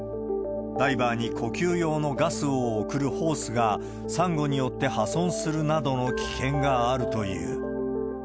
ダイバーに呼吸用のガスを送るホースがサンゴによって破損するなどの危険があるという。